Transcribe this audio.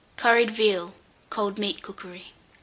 CURRIED VEAL (Cold Meat Cookery).